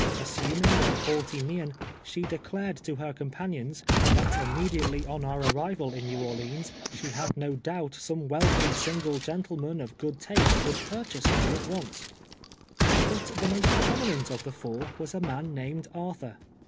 Assuming a haughty mien, she declared to her companions, that immediately on our arrival in Xew Orleans, she had no doubt, some wealthy sin gle gentleman of good taste would purchase her at once ! 66 TU'ELTE YEAES A BLAYE. But the most prominent of the four, was a man named Arthur.